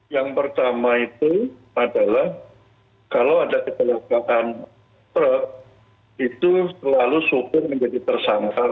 yang pertama itu adalah kalau ada kecelakaan maut itu selalu sukur menjadi tersangkar